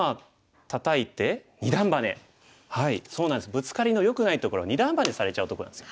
ブツカリのよくないところは二段バネされちゃうとこなんですよ。